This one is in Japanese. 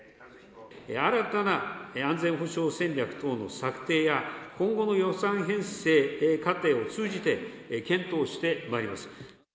新たな安全保障戦略等の策定や、今後の予算編成過程を通じて、検討してまいります。